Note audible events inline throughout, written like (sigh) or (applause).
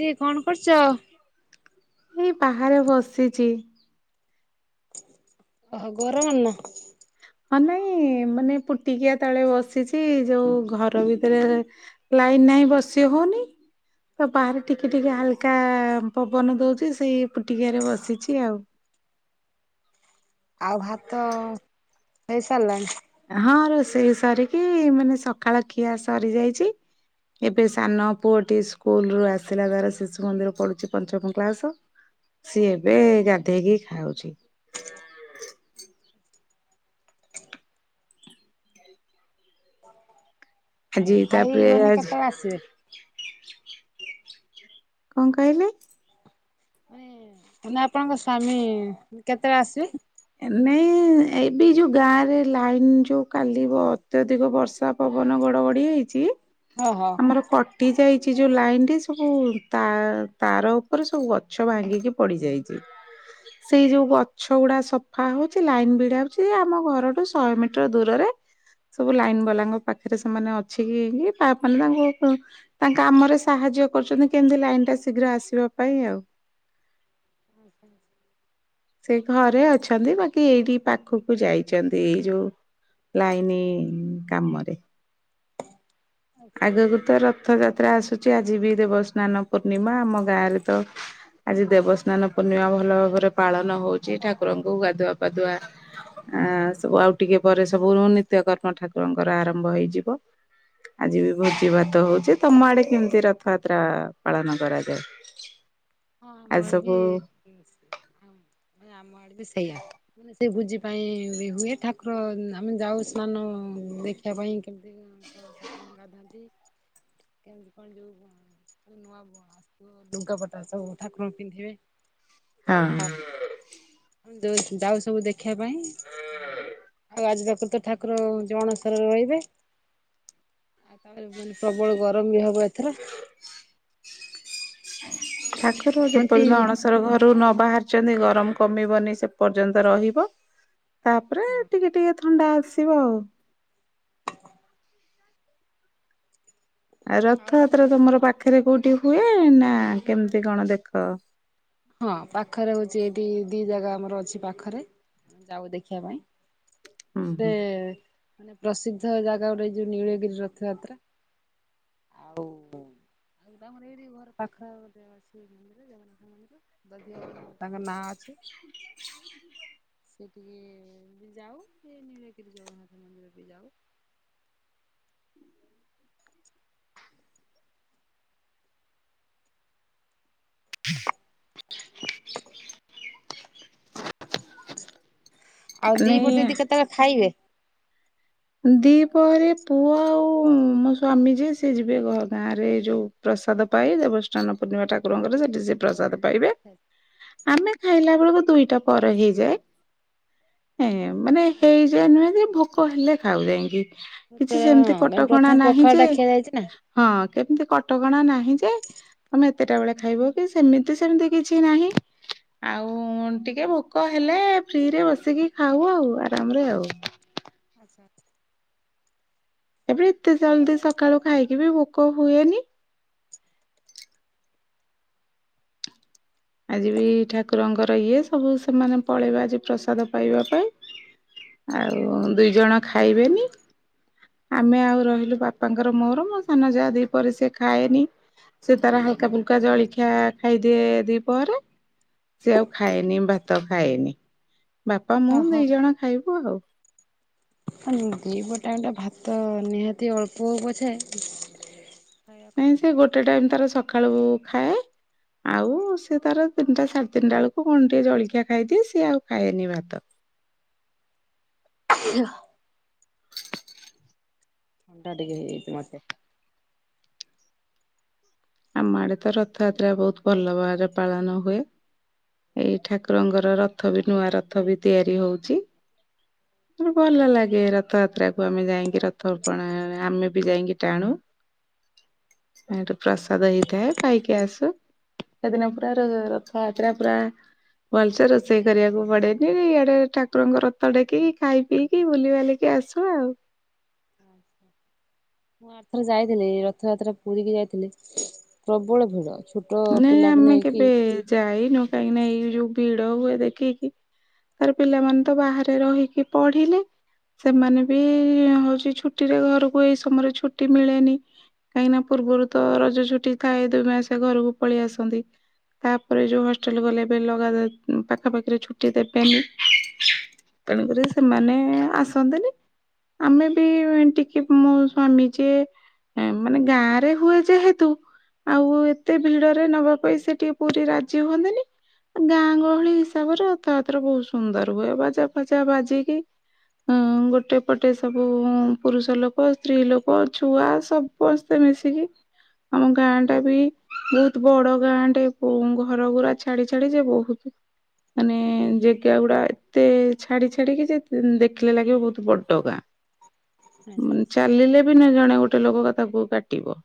ଦି କଣ କରୁଚ? ଏଇ ବାହାରେ ବସିଛି। ଓହୋ ଗରମ ନା? ହଁ ନାଇଁ ମାନେ ପୁଟିକିଆ ତଳେ ବସିଛି ଯୋଉ ଘର ଭିତରେ ଲାଇନ୍ ନାହିଁ ବସି ହଉନି। ତ ବାହାରେ ଟିକେ ଟିକେ ହାଲକା- ପବନ ଦଉଛି ସେଇ ପୁଟିକିଆରେ ବସିଛି ଆଉ। ଆଉ ଭାତ- ହେଇ ସାରିଲାଣି? ହଁ ରୋଷେଇ ସରିକି ମାନେ ସକାଳ ଖିଆ ସରିଯାଇଛି ଏବେ ସାନ ପୁଅଟି ସ୍କୁଲରୁୁ ଆସିଲା ତାର ଶିଶୁ ମନ୍ଦିର ପଢୁଛି ପଞ୍ଚମ କ୍ଳାସ ସିଏ ଏବେ ଗାଧେଇକି ଖାଉଛି। ଆଜି ଆଉ ଭାଇ ତାପରେ ମାନେ ଆଜି କେତେବେଳେ ଆସିବେ? କଁ କହିଲେ? ମାନେ ମାନେ ଆପଣଙ୍କ ସ୍ଵାମୀ କେତେବେଳେ ଆସିବେ? ନାଇଁ ଏବେ ଯୋଉ ଗାଁରେ ଲାଇନ ଯୋଉ କାଲିବ ଅତ୍ୟଧିକ ବର୍ଷା ପବନ ଗଡ ଗଡି ହେଇଛି ହଁ ହଁ। ଆମର କଟି ଯାଇଛି ଯୋଉ ଲାଇନ ଟି ସବୁ ତା- ତାର ଉପରେ ସବୁ ଗ ଗଛ ଭାଙ୍ଗିକି ପଡି ଯାଇଛି ସେଇ ଯୋଉ ଗଛ ଗୁଡା ସ ହଉଛି ଲାଇନ ବିଡା ହଉଛି ଆମ ଘରଠୁ ଶହେ ମିଟର ଦୂରରେ ସବୁ ଲାଇନ ବାଲାଙ୍କ ପାଖରେ ସେମାନେ ଅଛି କି କି ବା ମାନ ତାଙ୍କୁ ତାଙ୍କ କାମରେ ସାହାଯ୍ୟ କରୁଛନ୍ତି କେମିତି ଲାଇନ ଟା ଶୀଘ୍ର ଆସିବା ପାଇଁ ଆଉ। (inaudible) ସେ ଘରେ ଅଛନ୍ତି ବାକି ଏଇଠି ପାଖକୁ ଯାଇଛନ୍ତି ଏଇ ଯୋଉ ଲାଇନ କାମରେ। ଆଗକୁ ତ ରଥ ଯାତ୍ରା ଆସୁଛି ଆଜି ବି ଦେବସ୍ନାନ ପୂର୍ଣ୍ଣିମା ଆମ ଗାଁରେ ତ ଆଜି ଦେବସ୍ନାନ ପୂର୍ଣ୍ଣିମା ଭଲ ଭାବରେ ପାଳନ ହଉଛି ଠାକୁରଙ୍କୁ ଗାଧୁଆ ପାଧୁଆ। ଆ ସବୁ ଆଉ ଟିକେ ପରେ ସବୁ ନିତ୍ୟ କର୍ମ ଠାକୁରଙ୍କର ଆରମ୍ଭ ହେଇଯିବ। ଆଜି ବି ଭୋଜି ଭାତ ହଉଛି ତମ ଆଡେ କେମିତି ରଥଯାତ୍ରା ପାଳନ କରାଯାଏ? ହଁ ଆମ ଆଜି ଆଡେ ବି ସବୁ ଆମ ଆଡେ ବି ସେଇଆା। ମାନେ ସେ ଭୋଜି ପାଇଁ ବି ହୁଏ ଠାକୁର ଆମେ ଯାଉ ସ୍ନାନ ଦେଖିବା ପାଇଁ କେମିତି, କଣ ଗାଧାନ୍ତି। କେମିତି କଣ ଯୋଉ ନୂଆ ବୁ ଲୁଗାପଟ ତା ସବୁ ଠାକୁରଙ୍କୁ ପିନ୍ଧିବେ। ଆଉ ହଁ ଯାଉ ସବୁ ଦେଖିବା ପାଇଁ। ଆଉ ଆଉ ଆଜି ପାଖରୁ ଠାକୁର ଜ ଅଣସରରେ ରହିବେ। ଆଉ ତା ମାନେ ପ୍ରବଳ ଗରମ ବି ହବ ଏଥର। ଠାକୁର କୁହନ୍ତି ଯେପର୍ଯ୍ୟନ୍ତ ଅଣସ ର ଘରୁ ଆଜ୍ଞା ନ ବାହାରିଛନ୍ତି ଗରମ କମିବନି ସେ ପର୍ଯ୍ୟନ୍ତ ରହିବ ତାପରେ ହଁ ଟିକେ ଥଣ୍ଡା ଆସିବ ଆଉ। ଆଉ ରଥଯାତ୍ରା ତମର ପାଖରେ କୋଉଠି ହୁଏ ନା କେମିତି କଣ ଦେଖ? ହଁ ପାଖରେ ହଉଛି ଏଇଠି ଦି ଜାଗା ଆମର ଅଛି ପାଖରେ ଯାଉ ଦେଖିବା ପାଇଁ। ହୁଁ ଗୋଟେ ହୁଁ ମାନେ ପ୍ରସିଦ୍ଧ ଜାଗା ଗୋଟେ ଯୋଉ ନୀଳଗିରି ରଥଯାତ୍ରା। ଆଉ ଆଉ ଗଟା ଆମର ଏଇଠି ଘର ପାଖରେ ଗୋଟେ ଅଛି ମନ୍ଦିରେ ଜଗନାଥ ମନ୍ଦିର। ଦଧି ଭବାନୀ ତାଙ୍କ ନାଁ ଅଛି। ସେ ଟିକେ ବି ଯାଉ ସେ ନିଳଗିରି ଜଗନ୍ନାଥ ମନ୍ଦିର ବି ଯାଉ। (inaudible) ଆଉ ଦି ମାନେ ପହରେ ଦିଦି କେତେବେଳେ ଖାଇବେ? ଦିପହରେ ପୁଅ ଆଉ ମୋ ସ୍ଵାମୀ ଯିଏ ସେ ଯିବେ ଗାଁରେ ଯୋଉ ପ୍ରସାଦ ପାଇ ଦେବଷ୍ଣାନ ପୂର୍ଣ୍ଣିମା ଠାକୁରଙ୍କରେ ସେଠି ସେ ପ୍ରସାଦ ପାଇବେ। ଆମେ ଖାଇଲା ବେଳକୁ ଦୁଇଟା ପରେ ହେଇଯାଏ। ମାନେ ହେଇଯାଏ ନୁହେଁ ଯେ ଭୋକ ହେଲେ ଖାଉ ଯାଇକି। କିଛି ସେମିତି ହଁ କଟକଣା ପ୍ରଥମେ ନାହିଁ ପଖାଳ ଯେ ଟା ଖିଆ ଯାଇଛି ନା। ହଁ କେମିତି କଟକଣା ନାହିଁ ଯେ ମାନେ କେତେଟା ବେଳେ ଖାଇବ କି ସେମିତି ସେମିତି କିଛି ନାହିଁ। ଆଉ ଟିକେ ଭୋକ ହେଲେ ଫ୍ରିରେ ବସିକି ଖାଉ ଆଉ ଆରାମରେ ଆଉ। ଆଚ୍ଛା ଆଚ୍ଛା। ଏବେ ଏତେ ଜଲଦି ସକାଳୁ ଖାଇକି ବି ଭୋକ ହୁଏନି। ଆଜି ବି ଠାକୁରଙ୍କର ଇଏ ସବୁ ସେମାନେ ପଳେଇବେ ଆଜି ପ୍ରସାଦ ପାଇବା ପାଇଁ ଆଉ ଦୁଇ ଜଣ ଖାଇବେନି ଆମେ ଆଉ ରହିଲୁ, ବାପାଙ୍କର ମୋର ମୋ ସାନ ଯାହା ଦିପହରେ ସେ ଖାଏନି। ସେ ତାର ହାଲକା ଫୁଲକା ଜଳଖିଆ ଖାଇଦିଏ ଦୁଇପହରେ। ସେ ଆଉ ଖାଏନି ଭାତ ଖାଏନି, ବାପା ମୁଁ ଓହୋ ଦି ଜଣ ଖାଇବୁ ଆଉ। ଦିପହର ଟାଇମ ଟା ଭାତ ନିହାତି ଅଳ୍ପ ହଉ ପଛେ। ଖାଇବା ନାଇଁ କଥା। ସେ ଗୋଟେ ଟାଇମ ତାର ସକାଳୁ ଖାଏ ଆଉ ସି ତାର ତିନିଟା ସାଢେ ତିନିଟା ବେଳକୁ କଣ ଟିକେ ଜଳଖିଆ ଖାଇଦିଏ ସିଏ ଆଉ ଖାଏନି ଭାତ। (inaudible) ଥଣ୍ଡା ଟିକେ ହେଇଛି ମତେ। ଆମ ଆଡେ ତ ରଥଯାତ୍ରା ବହୁତ ଭଲ ଭାବରେ ପାଳନ ହୁଏ। ଏଇ ଠାକୁରଙ୍କର ରଥ ବି ନୂଆ ରଥ ବି ତିଆରି ହଉଛି। ମାନେ ଭଲ ଲାଗେ ରଥଯାତ୍ରା କୁ ଆମେ ଯାଇକି ରଥ ଅପଣ ଆମେ ବି ଯାଇକି ଟାଣୁ। ମିଣ୍ଟ ପ୍ରସ ପ୍ରସାଦ ହେଇଥାଏ ପାଇକି ଆସୁ ସେଦିନ ପୁରା ର ରଥଯାତ୍ରା ପୁରା ଭଲସେ ରୋଷେଇ କରିବାକୁ ପଡେନି ଇଆଡେ ଠାକୁରଙ୍କ ରଥ ଡେକିକି ଖାଇ ପି କି ବୁଲିବାଲିକି ଆସୁ ଆଉ। ଆ ସ ମୁଁ ଆରଥର ଯାଇଥିଲି ରଥଯାତ୍ରା ପୁରୀକି ଯାଇଥିଲି ପ୍ରବଳ ଭିଡ ଛୋଟ ନାଇଁ ପିଲାକୁ ଆମେ ନେଇକି କେବେ ଯାଇନୁ କାହିଁକି ନା ଏଇ ଯୋଉ ଭିଡ ହୁଏ ଦେଖିକି ତାର ପିଲାମାନେ ତ ବାହାରେ ରହିକି ପଢିଲେ ସେମାନେ ବି ହଉଚି ଛୁଟି ରେ ଘରକୁ ଏଇ ସମୟରେ ଛୁଟି ମିଳେନି। କାହିଁକିନା ପୂର୍ବରୁ ତ ରଜ ଛୁଟି ଥାଏ ଦୁଇ ମାସ ଘରକୁ ପଳେଇ ଆସନ୍ତି। ତାପରେ ଯୋଉ ହଷ୍ଟେଲ ଗଲେ ଏବେ ଲଗା ପାଖାପାଖିରେ ଛୁଟି ଦେବେନି। ତେଣକରି ସେମାନେ ଆସନ୍ତିନି ଆମେ ବି ଉଁ ଟିକେ ମୋ ସ୍ଵାମୀ ଯିଏ ଏ ମାନେ ଗାଁ ରେ ହୁଏ ଯେହେତୁ ଆଉ ଏତେ ଭିଡରେ ନବା ପାଇଁ ସେ ଟିକେ ପୁରୀ ରାଜି ହୁଅନ୍ତନି। ଗାଁ ଗହଳି ହିସାବରେ ରଥାଯାତ୍ରା ବହୁତ ସୁନ୍ଦର ହୁଏ ବାଜା ଫାଜା ବାଜିକି ହୁଁ ଗୋଟେ ପଟେ ସବୁ ପୁରୁଷ ଲୋକ ସ୍ତ୍ରୀ ଲୋକ ଛୁଆ ସବୁ ପସ୍ତେ ମିଶିକି ଆମ ଗାଁ ଟା ବି ବହୁତ ବଡ ଗାଁଟେ ଉ ଘର ଗୁରା ଛାଡି ଛାଡି ଯେ ବହୁତ ମାନେ ଜେଗା ଗୁଡା ଏତେ ଛାଡି ଛାଡିକି ଯେ ଦେଖିଲେ ଲାଗିବ ବହୁତ ବଡ ଗାଁ। ଆଚ୍ଛା ଆଚ୍ଛା ଉଁ ଚାଲିଲେ ବି ନା ଜଣେ ଗୋଟେ ଲୋକ କ ତାକୁ କାଟିବ।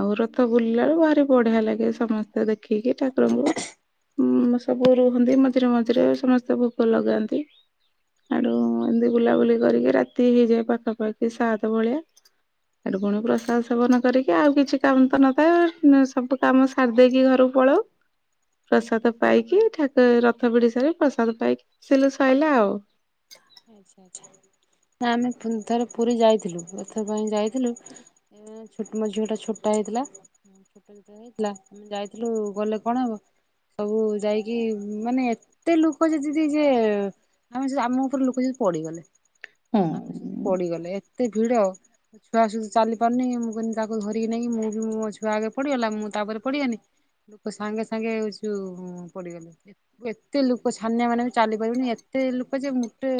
ଆଉ ରଥ ବୁଲିଲାଳୁ ଭାରି ବଢିଆ ଲାଗେ ସମସ୍ତେ ଦେଖିକି ଠାକୁରଙ୍କୁ ଉ ସବୁ ରୁହନ୍ତି ମଝିରେ ମଝିରେ ସମସ୍ତେ ଭୋଗ ଲଗାନ୍ତି। ହାଡ଼ୁ ଏମିତି ବୁଲାବୁଲି କରିକି ରାତି ହେଇଯାଏ ପାଖାପାଖି ସାତ ଭଳିଆ। ହେଠୁ ପୁଣି ପ୍ରସାଦ ସେବନ କରିକି ଆଉ କିଛି କାମ ତ ନ ଥାଏ ଅ ସବୁ କାମ ସାରି ଦେଇକି ଘରକୁ ପଳଉ। ପ୍ରସାଦ ପାଇକି ଠାକୁ ରଥ ବିଡି ସାରି ପ୍ରସାଦ ପାଇକି ସିଲୁ ସଇଲା ଆଉ। ଆଛା ଆଛା ନା ଆମେ ତିନି ଥର ପୁରୀ ଯାଇଥିଲୁ ରଥ ପାଇଁ ଯାଇଥିଲୁ ଏ ଛୋଟ ମୋ ଝିଅ ଟା ଛୋଟ ଟା ହେଇଥିଲା। ଛୋଟ ଯେତବେଳେ ହେଇଥିଲା ଆମେ ଯାଇଥିଲୁ ଗଲେ କଣ ହବ ସବୁ ଯାଇକି ମାନେ ଏତେ ଲୋକ ଯଦି ଯିଏ ଯେ ଆମେ ଯଉ ଆମ ର ଲୋକ ବି ପଡିଗଲେ ହୁଁ ଆମେ ସେ ପଡିଗଲେ ଏତେ ଭିଡ ମୋ ଛୁଆ ସୁଦୁ ଚାଲି ପାରୁନି ମୁଁ କଇନି ତାକୁ ଧରିକି ନେଇକି ମୁଁ ବି ମୋ ଛୁଆ ଆଗେ ପଢିଗଲା ମୁଁ ତାପରେ ପଡିଗନି ଲୋକ ସାଙ୍ଗେ ସାଙ୍ଗେ ହଉଚୁ ପଡିଗଲେ ଏ ଏତେ ଲୋକ ଛାନିଆ ମାନିଆ କ ଚାଲିପାରିବୁନି ଏତେ ଲୋକ ଯେ ମୋଟେ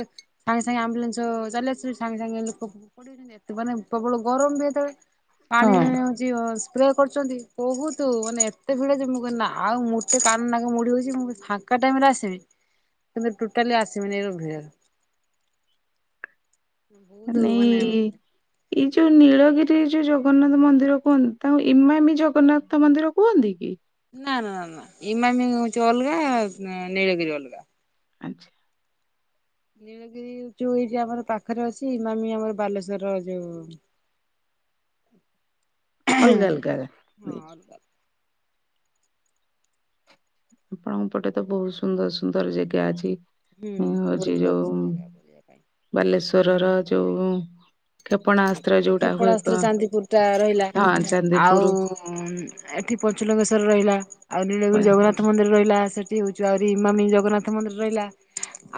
ସାଙ୍ଗେ ସାଙ୍ଗେ ଆମ୍ବୁଲାନ୍ସ ଚାଲି ଆସିଚି ସାଙ୍ଗେ ସାଙ୍ଗେ ଲୋକ (unintelligible) ଏତେ ଏତେ ମାନେ ପ୍ରବଳ ଗରମ ବି ଏତେବେଳେ ପାଣି ହଁ। ଚି ସ୍ପ୍ରେ କରୁଛନ୍ତି ବୋହୁତୁ ମାନେ ଏତେ ଭିଡ଼ ଯେ ମୁଁ କନି ନା ଆଉ ମୋତେ କାନ ନାକ ମୁଡ଼ି ହେଉଛି ମୁଁ ଫା ଙ୍କା ଟାଇମ ରେ ଆସିବି କିନ୍ତୁ ଟୋଟାଲି ଆସିବିନି ଏଇ ଯୋଉ ଭିଡ଼ରେ। ବହୁତ (unintelligible) ମାନେ ଏଇ ଯୋଉ ନୀଳଗିରି ଯୋଉ ଜଗନ୍ନାଥ ମନ୍ଦିର କୁହନ୍ତି ତାଙ୍କୁ ଇମାମି ଜଗନ୍ନାଥ ମନ୍ଦିର କୁହନ୍ତି କି। ନା ନା ନା ଇମାମି ହୋଊଚି ଅଲଗା ନି ନୀଳଗିରି ଅଲଗା। ଆଚ୍ଛା। ନୀଳଗିରି ଯୋଉ ଏଇଠି ଆମର ପାଖରେ ଅଛି ଇମାମି ଆମର ବାଲେଶ୍ୱର ର ଯୋଉ ଅଲଗା ଅଲଗା ହଁ ରାଆ ଅଲଗା ଆପଣଙ୍କ ପଟେ ତ ବହୁତ ସୁନ୍ଦର ସୁନ୍ଦର ଜେଗା ଅଛି। ହୁଁ ବହୁତ ଅଛି ଜାଗା ବୁଲିବା ପାଇଁ। ବାଲେଶ୍ୱରର ଯୋଉ କ୍ଷେପଣାସ୍ତ୍ର ଯୋଉଟା ହୁଏ କ୍ଷେପଣାସ୍ତ୍ର କଣ ଚାନ୍ଦିପୁର ଟା ରହିଲା ହଁ ଆଉ ଚାନ୍ଦିପୁର ଏଠି ପଞ୍ଚଲିଙ୍ଗେଶ୍ୱର ରହିଲା ଆଉ ନୀଳଗିରି ଜଗନ୍ନାଥ। ଥ ମନ୍ଦିର ରହିଲା ସେଠି ହଉଛି ଆହୁରି ଇମାମି ଜଗନ୍ନାଥ ମନ୍ଦିର ରହିଲା।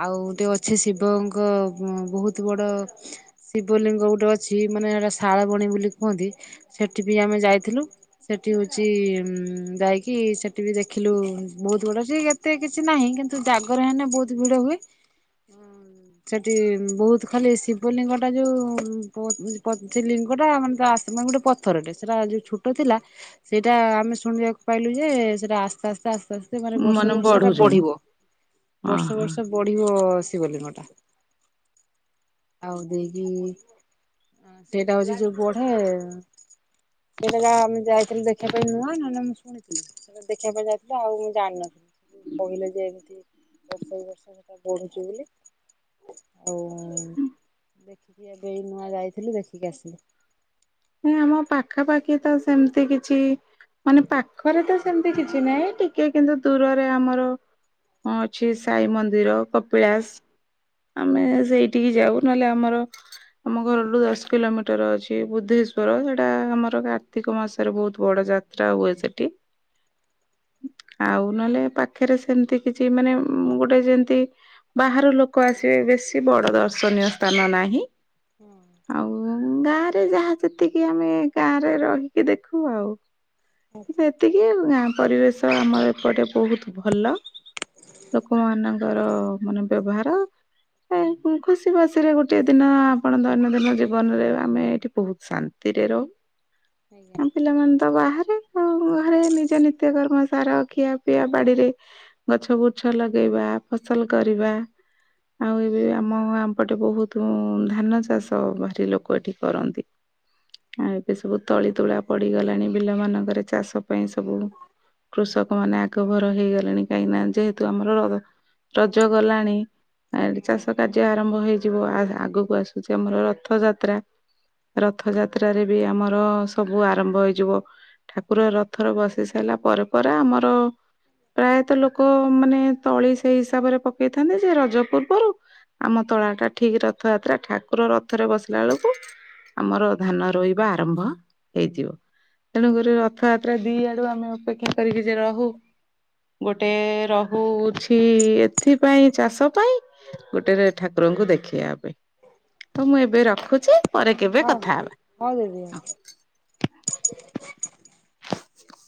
ଆଉ ଗୋଟେ ଅଛି ଶିବଙ୍କ ବହୁତ ବଡ ଶିବଲିଙ୍ଗ ଗୋଟେ ଅଛି। ସିଏ ମାନେ ଏଇଟା ଶାଳବଣୀ ବୋଲି କୁହନ୍ତି ସେଠି ବି ଆମେ ଯାଇଥିଲୁ। ସେଠି ହଉଛି ଉ ଯାଇକି ସେଠି ବି ଦେଖିଲୁ ବହୁତ ବଡ ଜେ ଏତେ କିଛି ନାହିଁ କିନ୍ତୁ ଜାଗରେ ହେଲେ ବହୁତ ଭିଡ ହୁଏ। ସେଠି ବହୁତ ଖାଲି ଶିବଲିଙ୍ଗ ଟା ଯଉ ସେ ଲିଙ୍ଗ ଟା ମାନେ ମାନେ ଗୋଟେ ପଥରଟେ ସେଟା ଯୋଉ ଛୋଟ ଥିଲା। ସେଇଟା ଆମେ ଶୁଣିବାକୁ ପାଇଲୁ ଯେ ସେଇଟା ଆସ୍ତେ ଆସ୍ତେ ଆସ୍ତେ ଆସ୍ତେ ବର୍ଷକୁ ମାନେ ବର୍ଷଟା ବଢୁଛନ୍ତି ବଢିବ ବର୍ଷ ଓହୋ ବର୍ଷ ବଢିବ ଶିବ ଲିଙ୍ଗଟା ଆଉ ଦେଇକି ସେଇଟା ହଉଛି ଯୋଉ ବଢେ ସେଇଟା ଆମେ ଯାଇଥିଲୁ ଦେଖିବା ପାଇଁ ନୂଆ ନହଲେ ଦେଖିବା ପାଇଁ ଯାଇଥିଲା ଆଉ ମୁଁ ଜାଣିନଥିଲି କହିଲେ ଯେ ଏମିତି ବର୍ଷ ବି ବର୍ଷ ମୁ ତା ବଢୁଛୁ ବୋଲି ଆଉ ଦେଖିକି ଏବେ ନୂଆ ଯାଇଥିଲି ଦେଖିକି ଆସିଲି। ନ ଆମ ପାଖାପାଖି ତ ସେମିତି କିଛି ମାନେ ପାଖରେ ତ ସେମିତି କିଛି ନାହିଁ ଟିକେ କିନ୍ତୁ ଦୂରରେ ଆମର ହଁ ଅଛି ସାଇ ମନ୍ଦିର କପିଳାସ। ଆମେ ସେଇଠିକି ଯାଉ ନହେଲେ ଆମର ଆମ ଘରଠୁ ଦଶ କିଲୋମିଟର ଅଛି ବୁଦ୍ଧ। ର ସେଟା ଆମର କାର୍ତ୍ତିକ ମାସରେ ବହୁତ ବଡ ଯାତ୍ରା ହୁଏ ସେଠି। ଆଉ ନହେଲେ ପାଖରେ ସେମିତି କିଛି ମାନେ ଗୋଟେ ଯେମିତି ବାହାରୁ ଲୋକ ଆସିବେ ବେଶୀ ବଡ଼ ଦର୍ଶନୀୟ ସ୍ଥାନ ନାହିଁ। (unintelligible) ଆଉ ଗାଁରେ ଯାହା ଯେତିକି ଆମେ ଗାଁରେ ରହିକି ଦେଖୁ ଆଉ ଆଚ୍ଛା କିନ୍ତୁ ଏତିକି ଗାଁ ପରିବେଶ ଆମର ଏପଟେ ବହୁତ ଭଲ। ଲୋକମାନଙ୍କର ମାନେ ବେବହାର। ଖୁସି ବାସିରେ ଗୋଟେ ଦିନ ଆପଣ ଦୈନନ୍ଦିନ ଜୀବନରେ ଆମେ ଏଇଠି ବହୁତ ଶାନ୍ତିରେ ଆଜ୍ଞା ରହୁ ଆ ପିଲାମାନେ ତ ବାହାରେ ଆ ଘରେ ନିଜ ନିତ୍ୟ କର୍ମ ସାର ଖିଆ ପିଇଆ ବାଡିରେ ଗଛ ବୁଛ ଲଗେଇବା ଫସଲ କରିବା। ଆଉ ଏବେ ଆମ ଆମପଟେ ବହୁତ ଧାନ ଚାଷ ଭାରି ଲୋକ ଏଠି କରନ୍ତି। ଆଉ ଏବେ ସବୁ ତଳି ତୁଳା ପଡିଗଲାଣି ବିଲ ମାନଙ୍କରେ ଚାଷ ପାଇଁ ସବୁ। କୃଷକ ମାନେ ଆଗଭର ହେଇଗଲେଣି କାହିଁକି ନା ଯେହେତୁ ଆମର ର ରଜ ଗଲାଣି। ଆ ଏଠି ହଁ। ଚାଷ କାର୍ଯ୍ୟ ଆରମ୍ଭ ହେଇଯିବ ଆଗକୁ ଆସୁଛି ଆମର ରଥଯାତ୍ରା। ରଥଯାତ୍ରାରେ ବି ଆମର ସବୁ ଆରମ୍ଭ ହେଇଯିବ। ଠାକୁର ରଥରେ ବସି ସାରିଲା ପରେ ପରେ ଆମର ପ୍ରାୟତଃ ଲୋକ ମାନେ ତଳି ସେଇ ହିସାବରେ ପକେଇଥାନ୍ତି ଯେ ରଜ ପୂର୍ବରୁ ଆମ ତଳା ଟା ଠିକ ରଥଯାତ୍ରା ଠାକୁର ରଥରେ ବସିଲା ବେଳକୁ ଆମର ଧାନ ରୋଇବା ଆରମ୍ଭ ହେଇଯିବ। ତେଣୁକରି ରଥଯାତ୍ରା ଦି ଆଡୁ ଆମେ ଅପେକ୍ଷା କରିକି ଯ ରହୁ। ଗୋଟେ ରହୁଛି ଏଥିପାଇଁ ଚାଷ ପାଇଁ। ଗୋଟେ ଠାକୁରଙ୍କୁ ଦେଖିବା ପାଇଁ ହଉ ମୁଁ ଏବେ ରଖୁଛି ପରେ କେବେ ହଁ କଥା ହବା। ହଉଦିଦି। (inaudible)